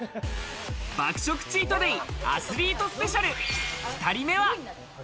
爆食チートデイアスリートスペシャル、２人目は。